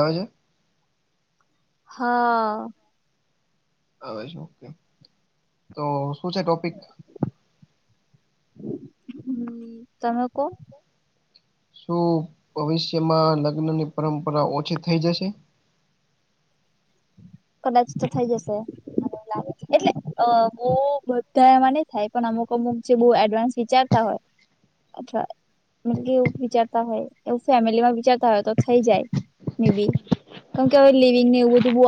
આવે છે હા. હ ઓ તો શું છે ટોપિક હમ તમે કો શું ભવિષ્યમાં લગ્નની પરંપરા ઓછી થઈ જશે. કદાચ તો થઈ જશે. લે છે એટલે અ બહુ બધા એમાં નહ થાય પણ અમુક અમુક છે બ એડવાન્સ વિચાર હોય અથવા મતલ કે એવું વિચારતા હોય એવું ફેમિલીમાં વિચારતા હોય તો થઈ જાય મે બી કેમ કે હવે લિવિંગને એવું બધું બ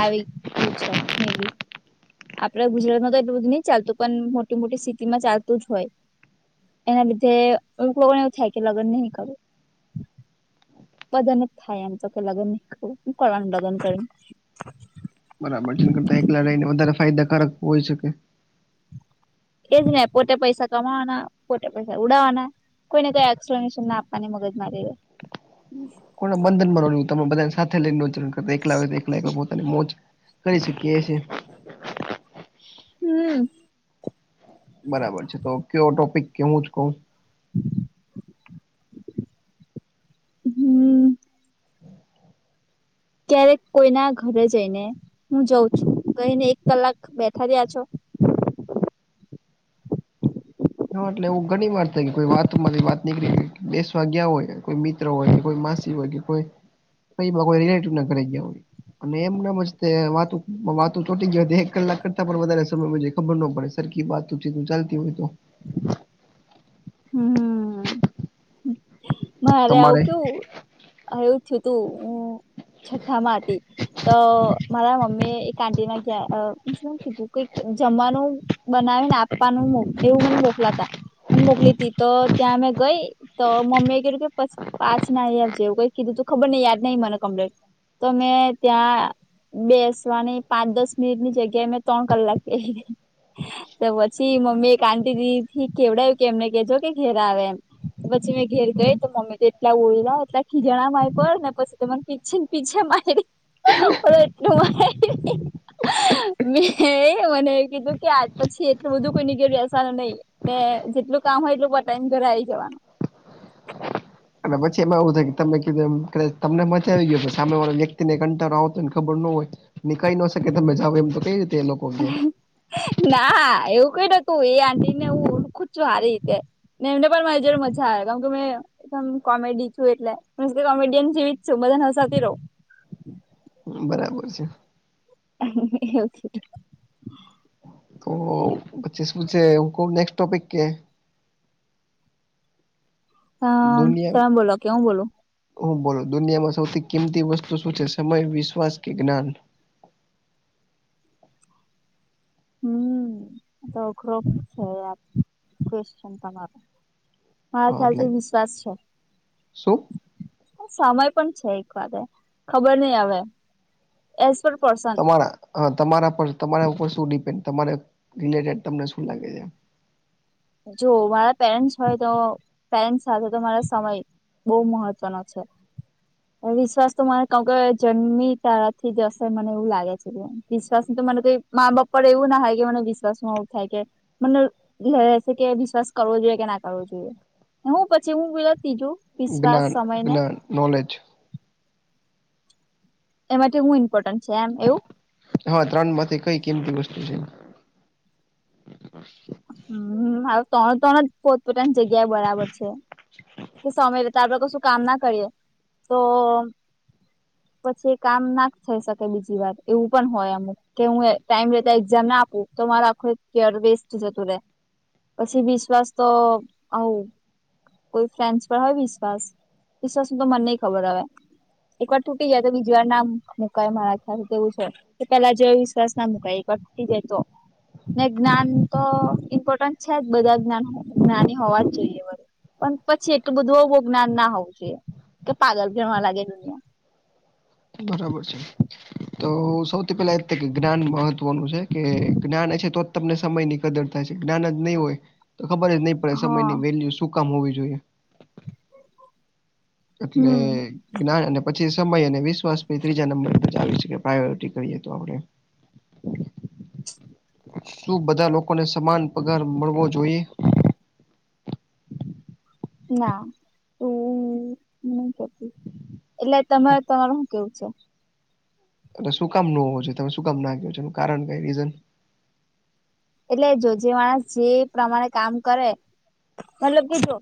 આવી ગયું છે મે બી આપડે ગુજરાતમાં તો એટલુંધું નહી ચાલતું પણ મોટી મોટી સિિતટી માં ચાલતું જ હોય. એના લીધે અમુ લોકોને એવું થાય કે લગ્ન નહી કરવું બદન જ થાય આમ તો કે લગન નહી કનું લગન કરી બરાબર છેને કરતા એકલા રહીને વધારે ફાયદાકારક હોય શકે એ જ નને પોતે પૈસા કમાવાના પોતે પૈસા ઉડાાવવાના કોઈને કોઈ એક્સપ્લેનેશન ના આપવાની મગજ મારી દે કો બંધન બ તમે બધા સાથે લઈનેચર કર એકલા એક પોતાની મોજ કરી સકીએ છીએ હમ. બરાબર છે તો કયો ટોપિક કેવું જ કવ હમ [inaudible] ક્યારેક કોઈના ઘરે જઈને હું જાઉં છું કઈને એક કલાક બેઠા રહ્યા છો હ એટલે એવું ઘણી વાર થઈ કોઈ વાતમાંથી વાત નીકળી દસવા ગયા હોય કોઈ મિત્ર હોય કે કોઈ માસી હોય કે કોઈ કોઈ રિલેટિવ ના ઘરે ગયા હોય. અને એમ ના વાતું વાતું ચોટી ગ એક કલાક કરતા પણ વધારે સમય ખબર ન પડે સરખી વાતું ચી તું ચાલતી હોય તો હમ મારે તમારે આવું કેવું આવવું થયું તું હ છ્ઠામાંથી તો મારા મમ્મી એક આન્ટીના ગ શું કીધું કઈ જમવાનું બનાવીને આપવાનું એવું મને મોકલાતા પણ મોકલી તી તો ત્યાં મેં ગઈ તો મમ્મી તુ કે પાછચ ના જેવ કઈ કીધું તું ખબર ને યાદ નઈં મને કમ્પ્લીટ તો મેં ત્યાં બેસવાની પાંચ દસ મિનિટ ની જગ્યાએં ત્રણ કલાક તો પછી મમ્મી એક આંટી દ થી કેવડાયું કે એમને કેજો કે ઘેરા આવે એમ. પછી મે ઘેર ગય તો મમ્મી તો એટલા ઓળ એટલા ખીજા માય પર ને પછી તને પીછ ને પીછ મારી. ટ. [unintelligible] મે મને એ કીધું કે, આજ પછી એટલું બધું કોઈ ની કેરું રહેસાનું નહી ને જેટલું કામ હોય એટલું બ ટાઈમ ઘરે આવી જવાનું અને પછી એમાં એવું થાય કે તમે કીધું એમ તમને મચાવી ગયો સામે વાળા વ્યક્તિ ને કંટારો આવતો ને ખબર ન હોય નનીકાળી ન શકે તમે જાાવ એમ તો કઈ રીતે એ લોકો કે ના, એવું કઈ નતું. એ આંટી ને હું ઓળખું છું સારી રીતે એમને પણ મારી જોટે મજા આવે છે મ કોમેડી છું એટલે. કોમેડિયન જીવી જ છું. બધા હસાતી રહો બરાબર છે. [unintelligible] તો બચ્ચે સ્કૂલ છે નેક્સ્ટ ટોપિક કે. હ દુનિયા તમે બોલો કે હું બોલો? હું બોલો દુનિયામાં સૌથી કિંમતી વસ્તુ શું છે? સમય, વિશ્વાસ, કે જ્ઞાન? [unintelligible] મારા હા એટલે ખ્યાલથી, વિશ્વાસ છે. શું સમય પણ છે એક વાત. ખબર નહીં અવે. એઝ પર પર્સન તમારા પર તમારા ઉપર શું ડીપેન્ડ. તમે રિલેટેડ. તમને શું લાગે છે? જો મારા પેરેન્ટ્સ હોય તો, પેરેન્ટ્સ સાથે તો મારા સમય. બહુ મહત્વનો છે. [inaudible] વિશ્વાસ તો મ કણ ક જન્મી તારથી દસે મને એવું લાગે છે. કે વિશ્વાસ તો મને ક મા બાપ પર એવું ના થાય કે, મને વિશ્વાસમાંવ થાય કે. મને કે વિશ્વાસ કરવો જોઈએ કે, ના કરવો જોઈએ. હું પછી હું વિત તીજું. જ્ઞાન, જ્ઞાન નોલેજ. એ માટે હું ઇમ્પોર્ટન્ટ છે. એમ એવું? હા! ત્રણ માંથી કઈ કેમી વસ્તુ છે? હમ હ ત્રણ ત્રણ જ પોતપોતાની જગ્યા બરાબર છે. [inaudible] કે સમય જતા આપળ કશું કામ ના કરીએ. તો પછી કામ નાખ થઈ શકે બીજી વાર. એવું પણ હોય અમુક. કે હું ટાઈમ લેતા એક્ઝામ ના આપું, તો મારો આખું યર વેસ્ટ જતુ રહે. પછી વિશ્વાસ તો આવું. કોઈ ફ્રેન્ડસ પર હોય વિશ્વાસ. વિશ્વાસ ન તો મને નહીં ખબર આવે. એક વાર તૂટી જાય તો, બીજી વાર નામ મુકાય મારા થ તેવું છે. તો પેલા જે વિશ્વાસ ના મુકાય એ ઘટતી જતો. ને જ્ઞાન તો ઇમ્પોર્ટન્ટ છે જ. બધા જ્ઞા જ્ઞાની હોવા જ જોઈએ. પણ પછી એટલું બધુંું બોગનાર ના હોવું જોઈએ. કે પાગલ ગણવા લાગે. બરાબર છે. તો સૌ પેલા એ કે જ્ઞાન મહત્વનું છે. કે જ્ઞાન એ છે તો. તમને સમય ની કદર થાય છે. જ્ઞાન જ નહીં હોય તો, ખબર જ નહી પડે. હા સમયની વેલ્યુ શું કામ હોવી જોઈએ. એટલે. હમ જ્ઞાન અને પછી સમય અને વિશ્વાસ ત્રીજા નંબર પરાવ શકે. પ્રાયોરિટી કરીએ તો આપણે. શું બધા લોકોને સમાન પગાર મળવો જોઈએ? [unintelligible] એટલે, તમારે તમાર શું કેવું છે? લે શું કામ ન હોવો જો? તમે શું કામ ના ક છ, એનું કારણ કઈ રીઝન? એટલે, જો જે માણસ જે પ્રમાણે કામ કરે. મતલબ કીધું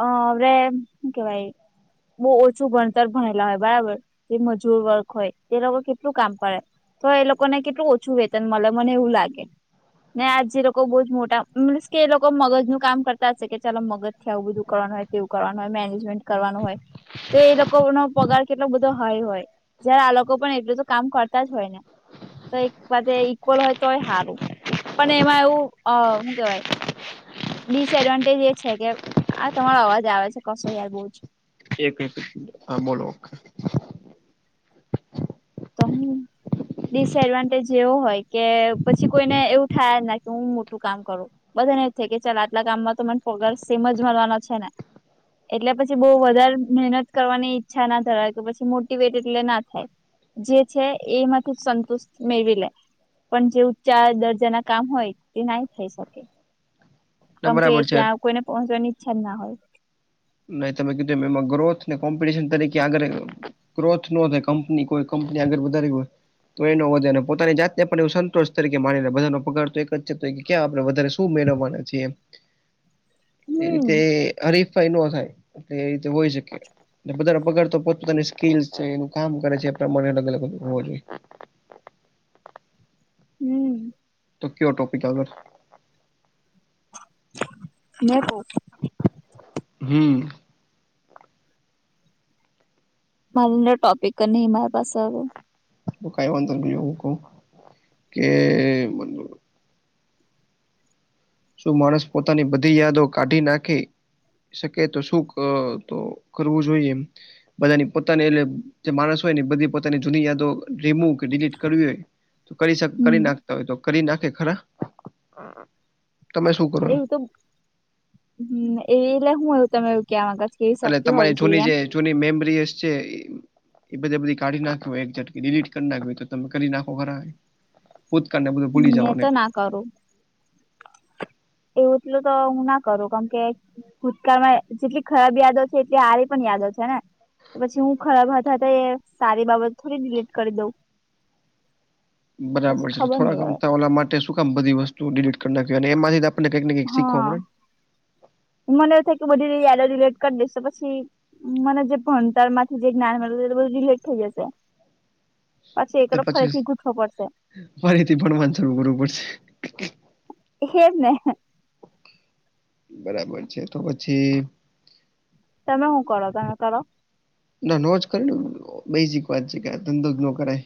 અ હવે કેવાય. બહુ ઓછું ભણતર ભણેલા હોય બરાબર, જે મજૂર વર્ગ હોય, તે લોકો કેટલું કામ કરે. તો એ લોકોને કેટલું ઓછું વેતન મળે, મને એવું લાગે. ને આજે લોકો બહુજ મોટા મુસ કે એ લોકો મગજ નું કામ કરતા હશે. કે ચાલો મગજ. આવું બધું કરવાનું હોય તેવું કરવાનું હોય મેનેજમેન્ટ કરવાનું હોય. તો એ લોકો નો પગાર કેટલો બધો હાય હોય. જયારે આ લોકો પણ એટલું તો કામ કરતા જ હોય ને તો એક વ ઈક્વલ હોય તોય સારું.. પણ એમાં એવું અ શું કેવાય. ડિસએડવાન્ટેજ એ છે કે આ તમારો અવાજ આવે છે કશો યાર બહુ જ. એક એક હા બોલો ઓકે. તમુ. ડિસએડવાન્ટેજ એવો હોય કે પછી કોઈને એવું થાય જ ના કે હું મોટું કામ કરું. બધા ને એ થ કે ચાલ આટલા ગામમાં તો મને પગાર સેમ જ મળરવાનો છે ને. એટલે પછી બહુ વધારે મહેનત કરવાની ઈચ્છા ના થરા કે પછી મોટવેટ એટલે ના થાય. જે છે એમાંથી સંતુષ્ટ મેળવી લે. પણ જે ઉઊંચા દર્જા ના કામ હોય તે ના થઈ શકે. ના કેમકે બરાબર છે ત્યાં કોઈને પહોંચવાની ઈચ્છા જ ના હોય. નહી તમે કીધું એ એમાં ગ્રોથ ને કોમ્પિટિશન તરીકે આગળ. ગ્રોથ નો થાય કંપની કોઈ કંપની આગળ વધારી હોય. તો એનો વધે અને પોતાની જાતને પણ એ સંતોષ તરીકે માનીને બધાનો પગાર તો એક જતો ક્યા આપે વધારે. શું મેળવવાના છે એ હમ રીતે હરીફભાઈ નો થાય. એટલે એ રીતે હોય શકીએ. પગાર તો પોપતાની સ્કીલ છે એ કામ કરે છે એ પ્રમાણે અલગ અલગું હોવું જોઈએ. હમ. તો કયો ટોપિક અગાથ. અને હો. હમ. મા ટોપિક નહી મારા પાસે હ. તો કઈ વાંધ હું ક કે મ. શું માણસ પોતાની બધી યાદો કાઢી નાખે. શકે તો શું તો કરવું જોઈએ એમ. બધાની પોતાની એલે જે માણસ હોય ને બધી પોતાની જૂની યાદો રીમું કે ડિલીટ કરવી હોય. તો કરી શ કરી હમ નાખતા હોય તો કરી નાખે ખરા. તમે શું કરો એમ? એવું તો હ એવી એટલે હું એવું તમે એવું ક આગણ. કેવી એટલે શક્તિ હઉ તમારી છે જૂની એમ. જે જૂની મેમરીસ છે. એ બધે બધી કાઢી નાખી હોય એક ટકી ડિલીટ કરી નાખી હોય તો તમે કરી નાખો ખરા. પોુત ક પોતે ભૂલી જઓ ને. કરો. એવું એટલું તો હું ના કરું કેમ કે. ભૂતકાળમાં જેટલી ખરાબ યાદો છે એટલી સારી પણ યાદો છે ને. તો પછી હું ખરાબ હતા તો એ સારી બાબત થોડી ડડીલીટ કરી દઉં. [inaudible] પછી બરાબર છે ખબર નઈ થોડાકમ હવે થ ઓલા માટે શું કામ બધ વસ્તુ ડિલીટ કરી નાખ એમાંથી. આપ કઈકને કંઈ શીખવા મળે. મનેવું થાય કે બધી યાદ રિલેટ કરી દસો પછી. મને જે ભણતરમાંથી જે જ્ઞાન મળું એ બધું ડીલેટ થઈ જશે. [inaudible] પછી એકડો ફરીથી ગૂઠવો પડશે. ફરેથી પણ માસર કરરવું પડશે. હેને બરાબર છે, તો પછી તમે હુ કરો તમે કરો ના ન જ કરે બેઝિક વાત છે, કે આ ધંધો જ ન કરાય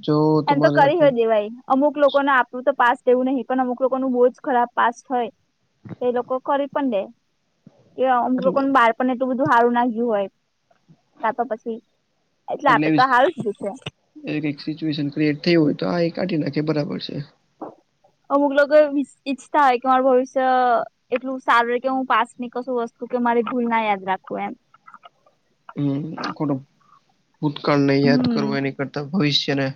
જો એને તો તમારે કરી હ દ ભાઈ અમુક લોકોને આપણું તો પાસ એવું નહી પણ અમુક લોકો ન બહુ જ ખરાબ પાસ હોય એ એ લોકો ખરી પણ દે એ અમુક એટલે લોકોનું બારપ એટલું બધું હારું નાખય્યું હોય કા તો પછી એટલે આપડે તો હાર શધું છે. એક એક સિચ્યુએશન ક્રિએટ થયું હોય તો આ એક કાઢી નાખે બરાબર છે અમુક લોકો ઈચ્છા હો કે માર ભવિષ્ય એટલું સારું કે હું પાસ ની કશું વસ્તુ કે મારી ભૂલ ના યાદ રાખવું એમ ખોટુ ભૂતકાળને યાદ હમ કરવુ એની કરતા ભવિષ્યને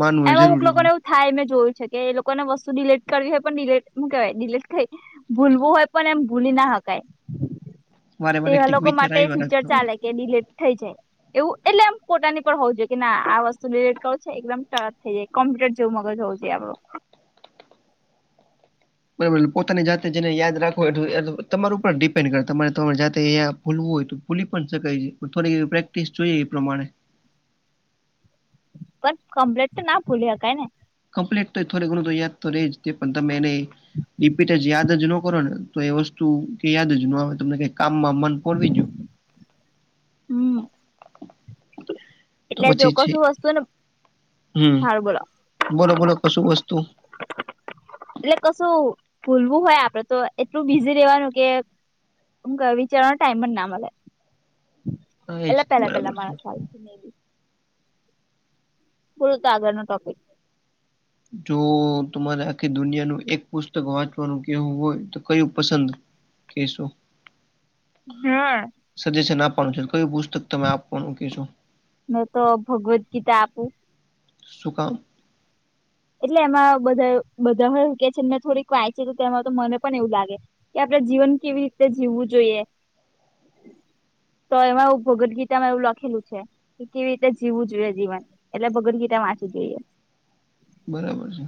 માનવું એ એમાં અમુક જરૂરી છે. લોકોને એવું થાય મેં જોયું છે, કે એ લોકોને વસ્તુ ડિલેટ કરવી હોય પણ ડિલેટ હુ કેહેવાય ડિલેટ થઈ ભૂલવું હોય પણ એમ ભૂલી ના વારે હકાય વારે તેવા કઈક લોકો વિચાર માટે આવ્યા ફ્યુચર રાખતા હોય. ચાલે કે ડીલેટ થઈ જાય એવું એટલે આમ પોતાની પણ હોવું જોઈએ કે ના આ વસ્તુ ડિલેટ કરો છે, કદમ સાફ થઇ જાય કોમ્યુટર જેવુ મગજ હોઉ જોએ આપણુ બરાબર પોતાની જાતે જેને યાદ રાખવ હોય તમાર ઉપર ડિપેન્ડ કરે તમારે તમારે જાતે અયા ભૂલવું હોય તો ભુલી પણ શકાય છે, થોડી એ પ્રેક્ટિસ જોઈએ એ પ્રમાણે પણ કમ્પ્લેટ તો ના ભૂલી હકાઈ ને કમ્પ્લીટ તો થોડ ઘણું તો યાદ તો રે જ પણ તમે એને રિપીટ જ યાદ જ ન કરો ને તો એ વસ્તુ કે યાદ જ ન હવે તમને કે કામમાં મન પોરવી જો હમ. તો એટલે જો પછી છે કસું વસ્તુ ને હમ હાર બોલો બોલો બોલો કશું વસ્તુ એટલે કશું ભૂલવું હોય આપડે તો એટલું બીઝી રેવાનું કે [unintelligible] વિચારવાનો ટાઈમ પણ ના મલે હા એ જ એટલા તે, પેલા બરાબર પેલા છે. મા ખયાલથી [unintelligible] તો આગળ નો ટોપિક જો તમારે આખી દુનિયાનું એક પુસ્તક વાંચવાનું કેવું હોય તો કયું પસંદ કેશો? હે. સજેશન આપવાનું છે, કયુ પુસ્તક તમે આપવાનું કેશો? મે તો ભગવદ્ ગીતા આપું શુ કામ? એટલે એમાં બધા બધા હોય કે છે, ને થોડીક વાંચેલી તેમાં તો મને પણ એવું લાગે કે આપડે જીવન કેવી રીતે જીવવું જોઈએ. તો એમાં ભગવદ ગીતામાં એવું લખેલું છે. કેવી રીતે જીવવું જોઈએ જીવન એટલે ભગદગીતા વાંચવી જોઈએ બરાબર છે.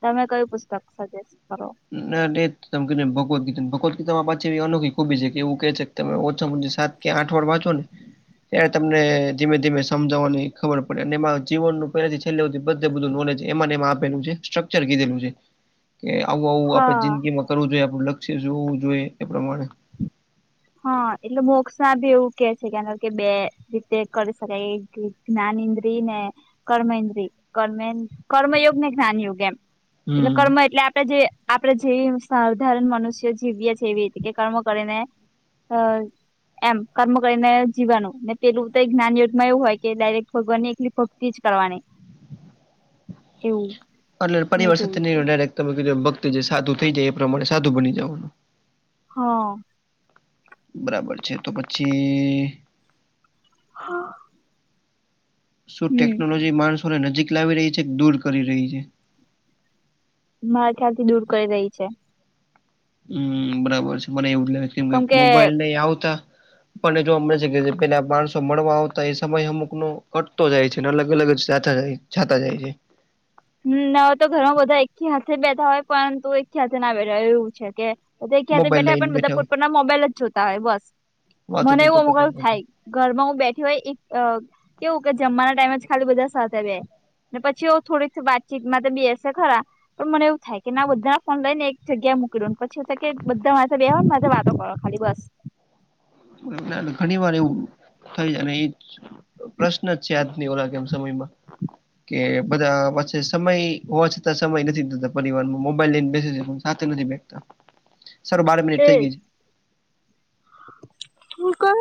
તમે કઈ પુસ્તક સજેસ્ટ કરો? [unintelligible] તમે કીધુ એમ ભગવત ગીતન ભગવત તા મા પાછી એવી અનોખી ખૂભી છે, કે એવું કે છે તમે ઓછા મુ સાત કે આઠ વાર વાંચો ને ત્યારે તમને ધીમે ધીમે સમજાવાની ખબર પડે અને એમાં જીવનનું પહેલાથી છેલ્લે હુધી બધે બધું નોલેજ એમાંને એમાં આપેલુ છે, સ્ટ ચર કીધેલું છે, કે આવું આવું આપે હા જિંદગીમાં કરવું જોઈએ આપણું લક્ષ્ય જોવું જોઈએ એ પ્રમાણે હા એટલે મોક્ષમાં ભી એવું કે છે, [unintelligible] કે બે રીતે કરી શકાય જ્ઞાન ઇન્દ્રિ ને કર્મ ઈન્દ્રિ કર્ કર્મયુગ ને જ્ઞાન યુગ એમ એટલે હમ કર્મ એટલે આપડે જે આપણે જે સાધારણ મનુષ્યો જીવીએ છીએ એવી રીતે કે કર્મ કરીને હા. એમ કર્મ કરીને જીવાનું પેલું તો એક જ્ઞાન યોદ્ધમાં એવું હોય કે ડાયરેક્ટ ભગવાનની એકલી ભ એજ કરવાની હ [unintelligible] એવું. એટલે પરિવાર મેં સાથે જોયું ની હતું ડાયરેક તમે કીધું એમ ભક્ત જે સાધુ થઈ જાય એ પ્રમાણે સાધું બની જવાનું હ. બરાબર છે, તો પછી હા શું ટેકનોલોજી માણસોને નજીક લાવી રહી છે કે દૂર કરી રહી છે. મારા ખ્યાલ થી દૂર કરી રહી છે. હમ બરાબર છે મને એવું જ લાગે કેમ કે મોબાઈલ નહી આવતા. પણ એ જોવામે છે કે પેલા માણસો મળવા આવતા એ સમય અમુકનો ઘટતો જાય છેને અલગ અલગ સાા જાય છે. છાતા જાય છે. હમ ન તો ઘરમાં બધા એકી હાથે બેઠા હોય પરંતુ એકી હાથે ના બેઠા હોય એવું છે કે બધા ક્યા મોબાઈલ બેઠા લઈને પણ બધા હોય પોપના મોબાઈલ જ જોતા હોય બસ મને વાતોચીતો એવું કરતા અમકું થાય. નથી ઘર માં હું બેઠી હોય એક કેવું કે જમવાના ટાઈમે જ ખાલી બધા સાથે જ બેહે. ને પછી એ થોડીક વાતચીત માં ત બેસે ખરા. પણ મને એવું થાય કે ના બધા ફોન લઈ ને એક જગ્યાએ મોક્યો ને પછી એું થાય કે બધા મા બેયા હોય ને મા વાતો કરો. [unintelligible] ના ઘણી વાર એવું થઈ જાય ને એ પ્રશ્ન જ છે આજની ઓળ કે એમ સમયમાં કે બધા પાછી સમય હોવા છતાં સમય નથી થતા પરિવારમાં મોબાઈલ લઈને બેસે છે. ના નથી બેઠ તા સરા બાર મિનિટ થઈ ગઈ છે. હું કણ